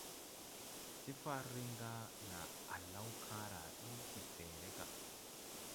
Tifar riŋ ga na a law kããra bil gifęęre ga.